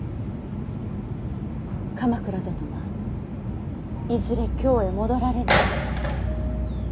鎌倉殿はいずれ京へ戻られるの？